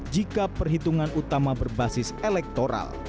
jika perhitungan utama berbasis elektoral